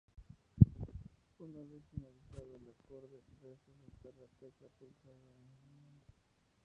Una vez finalizado el acorde, resta soltar la tecla pulsada inicialmente.